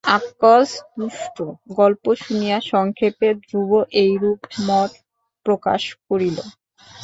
আক্কস দুষ্টু –গল্প শুনিয়া সংক্ষেপে ধ্রুব এইরূপ মত প্রকাশ করিল।